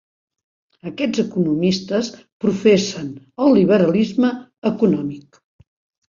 Aquests economistes professen el liberalisme econòmic.